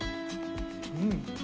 うん。